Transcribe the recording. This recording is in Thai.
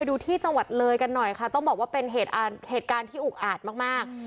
ดูที่จังหวัดเลยกันหน่อยค่ะต้องบอกว่าเป็นเหตุการณ์ที่อุกอาจมาก